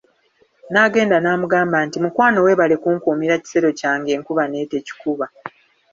N'agenda n'amugamba nti, mukwano weebale kunkuumira kisero kyange enkuba n'etekikuba.